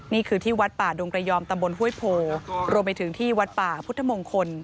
นี่คือที่วัดป่าดงกระยอมตำบลห้วยโพรวมไปถึงที่วัดป่าพุทธมงคล